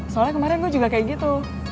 soalnya kemarin gue juga kayak gitu